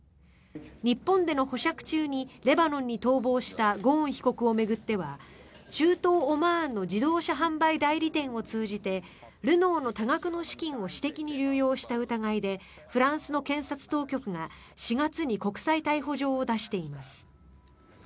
日本での保釈中にレバノンに逃亡したゴーン被告を巡っては中東オマーンの自動車販売代理店を通じてルノーの多額の資金を私的に流用した疑いでフランスの検察当局が４月に国際逮捕状を出しています。